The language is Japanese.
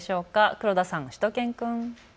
黒田さん、しゅと犬くん。